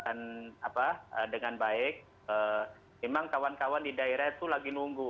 dan dengan baik memang kawan kawan di daerah itu lagi nunggu